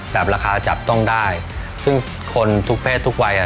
ราคาจับต้องได้ซึ่งคนทุกเพศทุกวัยอ่ะ